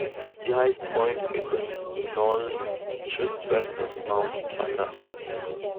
The highest point is a knoll just west of Mount Tucker.